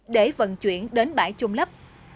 đường chuyển đến bãi trung lấp